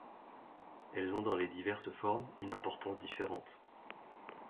Elles ont dans les diverses formes une importance différente.